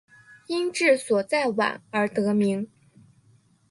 因治所在宛而得名。